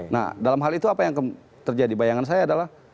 nah dalam hal itu apa yang terjadi bayangan saya adalah